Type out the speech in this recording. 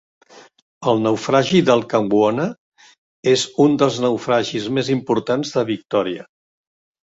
El naufragi del "Kanwona" és un dels naufragis més importants de Victòria.